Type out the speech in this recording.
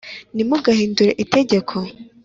nti mugahindure itegeko